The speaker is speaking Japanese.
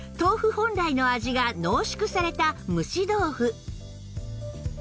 本来の味が濃縮された蒸し豆腐